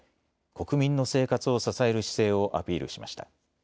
国民の生活を支える姿勢をアピールしました。